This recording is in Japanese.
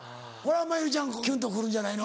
まひるちゃんキュンと来るんじゃないの？